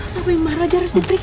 tapi ma raja harus pergi dari sini